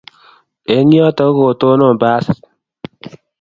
Eng' yoto kotonon pasit.